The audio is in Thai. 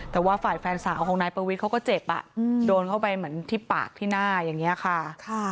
แต่ว่าฝ่ายแฟนสาวของนายประวิทย์เขาก็เจ็บโดนเข้าไปเหมือนที่ปากที่หน้าอย่างนี้ค่ะ